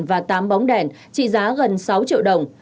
và tám bóng đèn trị giá gần sáu triệu đồng